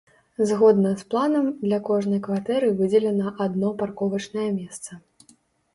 Згодна з планам, для кожнай кватэры выдзелена адно парковачнае месца.